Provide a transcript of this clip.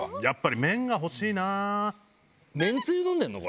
やっぱり麺が欲しいな。